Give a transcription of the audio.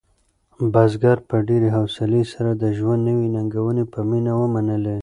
بزګر په ډېرې حوصلې سره د ژوند نوې ننګونې په مینه ومنلې.